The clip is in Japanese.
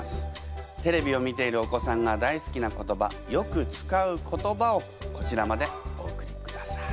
テレビを見ているお子さんが大好きな言葉よく使う言葉をこちらまでお送りください。